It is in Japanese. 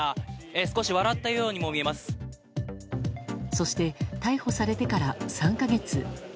そして、逮捕されてから３か月。